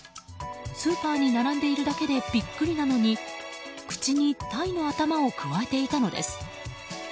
スーパーに並んでいるだけでびっくりなのに口にタイの頭をくわえていたのです。